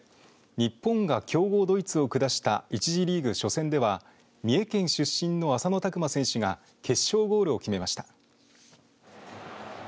日本が強豪ドイツを下した１次リーグ初戦では三重県出身の浅野拓磨選手が決勝ゴールを決めました。